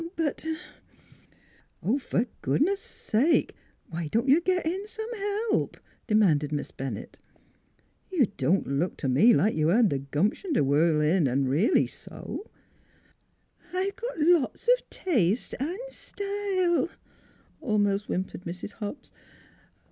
But "" Fer goodness sake why don't you git in some help?" demanded Miss Bennett. "You don't look to me like you hed th' gumption t' whirl in an' really sew." " I've got lots of taste an' an' style," almost whimpered Mrs. Hobbs.